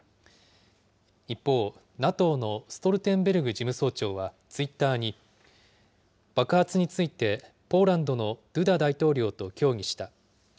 一方、ＮＡＴＯのストルテンベルグ事務総長はツイッターに、爆発について、ポーランドのドゥダ大統領と協議した。